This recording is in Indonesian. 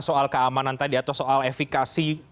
soal keamanan tadi atau soal efikasi